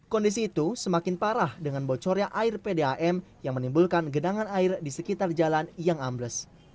kondisi itu semakin parah dengan bocornya air pdam yang menimbulkan gedangan air di sekitar jalan yang ambles